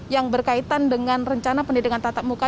yang berkaitan dengan rencana pendidikan tatap muka